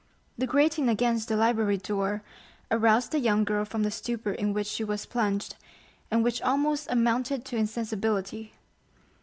The grating against the library door aroused the young girl from the stupor in which she was plunged, and which almost amounted to insensibility.